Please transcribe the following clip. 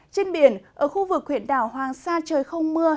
trên biển ở khu vực huyện đảo hoàng sa trời không mưa